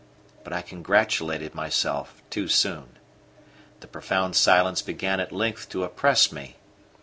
But I congratulated myself too soon. The profound silence began at length to oppress me.